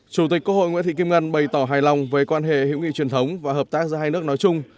chủ tịch quốc hội nguyễn thị kim ngân bày tỏ hài lòng với quan hệ hữu nghị truyền thống và hợp tác giữa hai nước nói chung